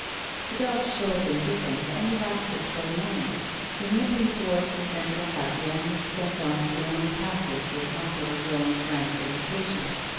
The dog's show of indifference only lasted for a moment. In limping towards the central hut the animal stepped on to the only path which was not overgrown with rank vegetation.